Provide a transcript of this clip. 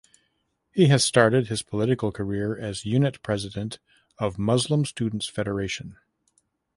He has started his political career as unit president of Muslim Students Federation.